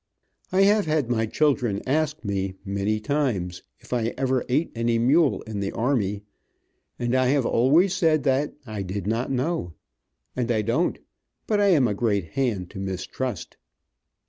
I have had my children ask me, many times, if I ever eat any mule in the army, and I have always said that I did not know. And I don't. But I am a great hand to mistrust.